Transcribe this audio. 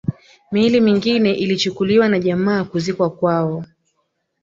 Miili mingine ilichukuliwa na jamaa kuzikwa kwao